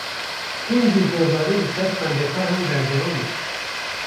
Hîn jî zordarî, li ser xwendekaran berdewame